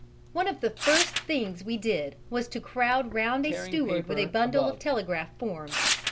One of the first things we did was to crowd round a steward with a bundle of telegraph forms.